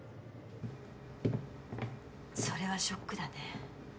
それはショックだね。